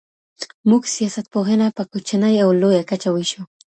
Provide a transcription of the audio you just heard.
موږ سياستپوهنه په کوچنۍ او لويه کچه وېشو.